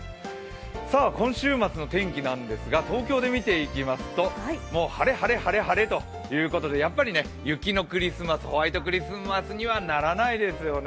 今週末の天気なんですが東京で見ていきますと、もう、晴れ、晴れ、晴れ、晴れとやっぱり雪のクリスマス、ホワイトクリスマスにはならないですよね。